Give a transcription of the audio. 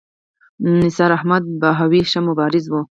نثار احمد بهاوي ښه مبارز و.